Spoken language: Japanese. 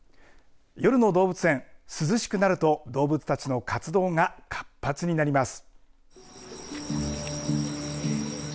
夜の動物園涼しくなると動物たちの活動が活発になります。